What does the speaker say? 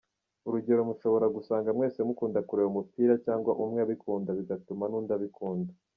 Urugero mushobora gusanga mwese mukunda kureba umupira cyangwa umwe abikunda bigatuma n’undi abikunda.